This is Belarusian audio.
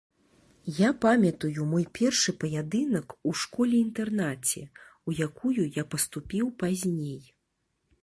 Я памятаю мой першы паядынак у школе-інтэрнаце, у якую я паступіў пазней.